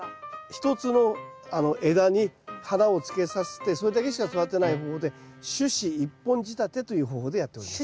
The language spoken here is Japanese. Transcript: １つの枝に花をつけさせてそれだけしか育てない方法で主枝１本仕立てという方法でやっております。